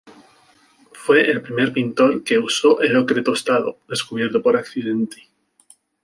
Fue el primer pintor que usó el ocre tostado, descubierto por accidente.